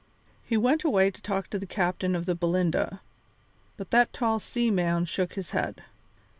He went away to talk to the captain of the Belinda, but that tall seaman shook his head.